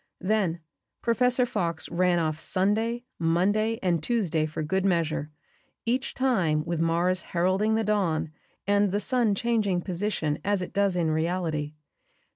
Then Professor Fox ran off Sunday, Monday and Tuesday for good measure, each time with Mars heralding the dawn and the sun changing position as it does in reality.